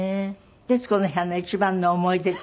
『徹子の部屋』の一番の思い出ってあります？